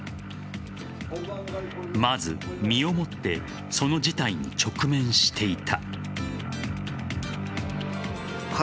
まず、身をもってその事態に直面していた。